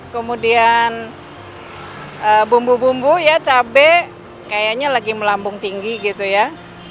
kemudian bumbu bumbu ya cabai kayaknya lagi melambung tinggi gitu ya